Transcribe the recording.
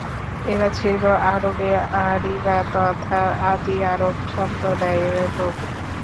এরা ছিল আরবে আরিবা তথা আদি আরব সম্প্রদায়ের লোক।